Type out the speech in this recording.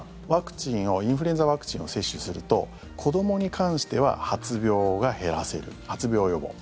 インフルエンザワクチンを接種すると子どもに関しては発病が減らせる発病予防。